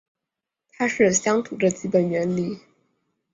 它是相图的基本原理。